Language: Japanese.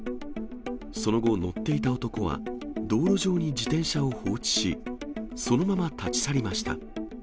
その後、乗っていた男は道路上に自転車を放置し、そのまま立ち去りました。